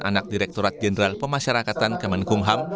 anak direkturat jenderal pemasyarakatan kemenkum ham